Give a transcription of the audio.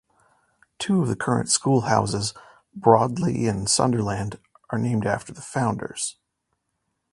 Two of the current school houses, Broadley and Sunderland, are named after the founders.